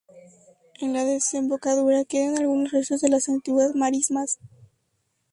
En la desembocadura quedan algunos restos de las antiguas marismas.